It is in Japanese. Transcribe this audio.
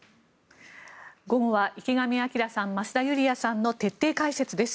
午後は池上彰さん、増田ユリヤさんの徹底解説です。